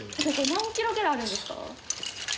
何キロぐらいあるんですか？